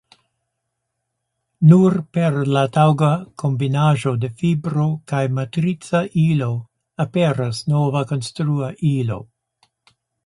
Nur per la taŭga kombinaĵo de fibro kaj matrica ilo aperas nova konstrua ilo.